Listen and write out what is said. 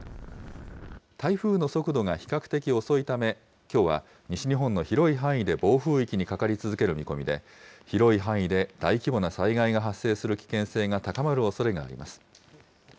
台風の速度が比較的遅いため、きょうは西日本の広い範囲で暴風域にかかり続ける見込みで、広い範囲で大規模な災害が発生する危険性が高まるおそれがあります。